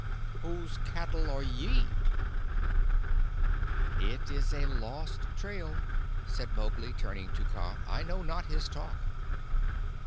Whose cattle are ye?" "It is a lost trail," said Mowgli, turning to Kaa. "I know not his talk."